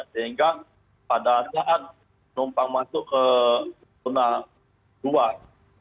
sehingga pada saat penumpang masuk ke tunai dua